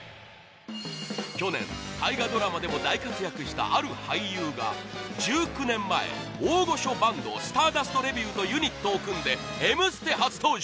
去年、大河ドラマでも大活躍した、ある俳優が１９年前、大御所バンドスターダスト・レビューとユニットを組んで「Ｍステ」初登場！